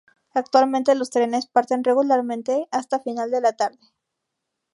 Actualmente los trenes parten regularmente hasta final de la tarde.